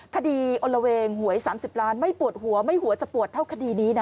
คดีอลละเวงหวย๓๐ล้านไม่ปวดหัวไม่หัวจะปวดเท่าคดีนี้นะ